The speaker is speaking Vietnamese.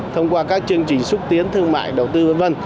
thông qua các chương trình xúc tiến thương mại đầu tư v v